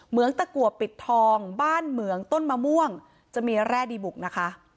งตะกัวปิดทองบ้านเหมืองต้นมะม่วงจะมีแร่ดีบุกนะคะ